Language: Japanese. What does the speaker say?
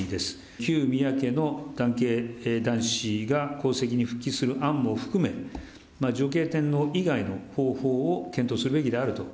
旧宮家の男系男子が皇籍に復帰する案も含め、女系天皇以外の方法を検討すべきであると。